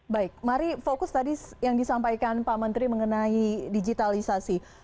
baik mari fokus tadi yang disampaikan pak menteri mengenai digitalisasi